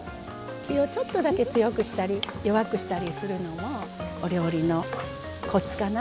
火をちょっとだけ強くしたり弱くしたりするのもお料理のコツかな。